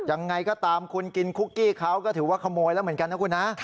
ยังไงก็ตามคุณกินคุกกี้เขาก็ถือว่าขโมยแล้วเหมือนกันนะคุณนะ